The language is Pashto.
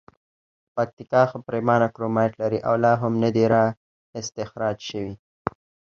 پکتیکا ښه پریمانه کرومایټ لري او لا هم ندي را اختسراج شوي.